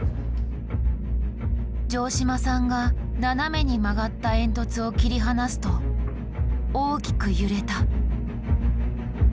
城島さんが斜めに曲がった煙突を切り離すと大きく揺れた。